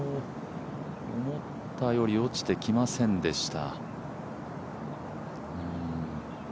思ったより落ちてきませんでした。